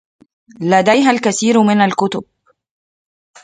لديها الكثير من الكتب.